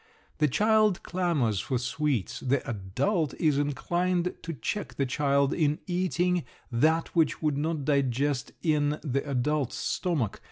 The child clamors for sweets. The adult is inclined to check the child in eating that which would not digest in the adult's stomach.